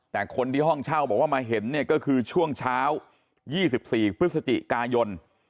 แต่คนที่ห้องเช่าบอกว่ามาเห็นเนี่ยก็คือช่วงเช้า๒๔พฤศจิกายน